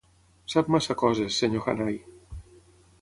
Sap massa coses, senyor Hannay.